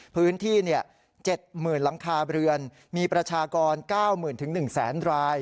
พื้นที่๗หมื่นหลังคาเรือนมีประชากร๙หมื่นถึง๑แสนราย